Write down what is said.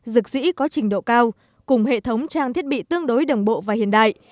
dược sĩ có trình độ cao cùng hệ thống trang thiết bị tương đối đồng bộ và hiện đại